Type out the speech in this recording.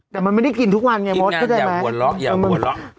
แต่มันไม่ได้กินทุกวันไงอีกงานอย่าหัวลอกอย่าหัวลอก